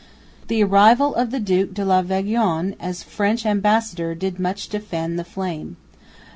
The arrival of the Duke de la Vauguyon, as French ambassador, did much to fan the flame.